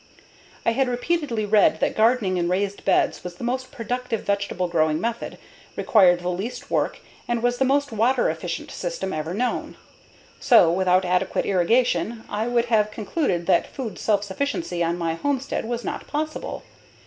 I had repeatedly read that gardening in raised beds was the most productive vegetable growing method, required the least work, and was the most water efficient system ever known. So, without adequate irrigation, I would have concluded that food self sufficiency on my homestead was not possible.